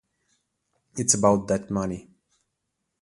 It's about that money.